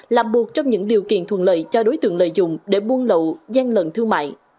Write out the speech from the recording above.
là một trong những điều kiện thuận lợi cho đối tượng lợi dụng để buôn lậu gian lận thương mại